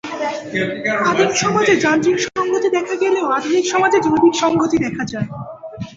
আদিম সমাজে যান্ত্রিক সংহতি দেখা গেলেও আধুনিক সমাজে জৈবিক সংহতি দেখা যায়।